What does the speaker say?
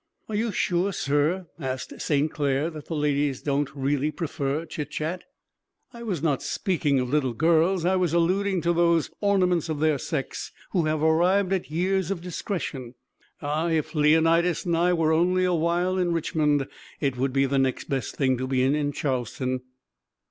"Are you sure, sir," asked St. Clair, "that the ladies don't really prefer chit chat?" "I was not speaking of little girls. I was alluding to those ornaments of their sex who have arrived at years of discretion. Ah, if Leonidas and I were only a while in Richmond! It would be the next best thing to being in Charleston."